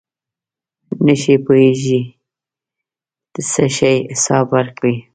نشی پوهېږي د څه شي حساب ورکړي.